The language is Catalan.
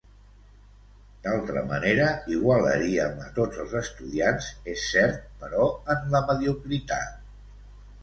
D'altra manera, igualaríem a tots els estudiants, és cert, però en la mediocritat.